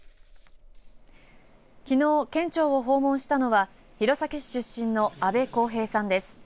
きのう県庁を訪問したのは弘前市出身の阿部昴平さんです。